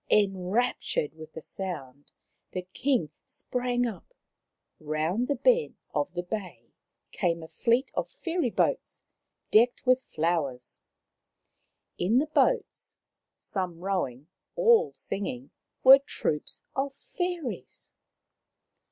Enraptured with the sound, the King sprang up. Round the bend of the bay came a fleet of fairy boats, decked with flowers. In the boats, some rowing, all singing, were troops of fairies.